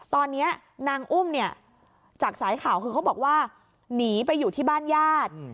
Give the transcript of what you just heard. ตอนนี้นางอุ้มเนี่ยจากสายข่าวคือเขาบอกว่าหนีไปอยู่ที่บ้านญาติ